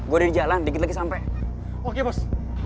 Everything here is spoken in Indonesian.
gue udah di jalan dikit lagi sampe oke bos